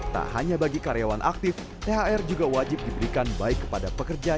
tak hanya bagi karyawan aktif thr juga wajib diberikan baik kepada pekerja